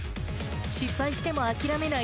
失敗しても諦めない、